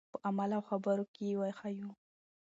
په عمل او خبرو کې یې وښیو.